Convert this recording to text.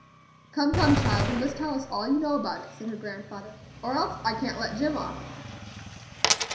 "Come, come, child, you must tell us all you know about it," said her grandfather, "or else I can't let Jim off."